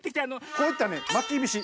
こういったね「まきびし」